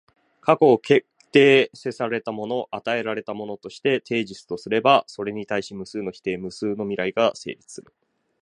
過去を決定せられたもの、与えられたものとしてテージスとすれば、それに対し無数の否定、無数の未来が成立する。